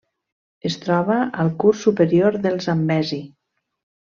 Es troba al curs superior del Zambezi.